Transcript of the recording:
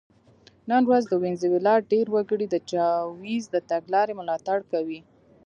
نن ورځ د وینزویلا ډېر وګړي د چاوېز د تګلارې ملاتړ کوي.